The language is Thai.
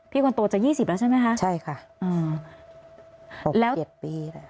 คนโตจะยี่สิบแล้วใช่ไหมคะใช่ค่ะอืมแล้วเจ็ดปีค่ะ